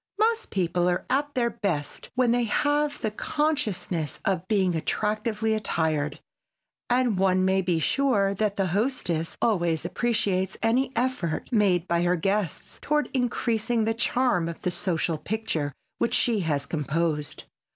Most people are at their best when they have the consciousness of being attractively attired, and one may be sure that the hostess always appreciates any effort made by her guests toward increasing the charm of the social picture which she has composed.